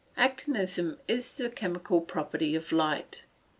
_ Actinism is the chemical property of light.